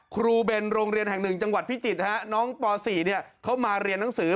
เบนโรงเรียนแห่งหนึ่งจังหวัดพิจิตรน้องป๔เขามาเรียนหนังสือ